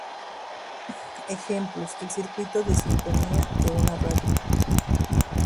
Ejemplos: el circuito de sintonía de una radio.